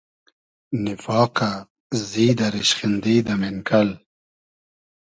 نیفاقۂ ، زیدۂ ، ریشخیندی دۂ مېنکئل